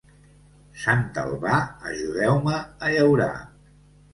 Sant Albà, ajudeu-me a llaurar.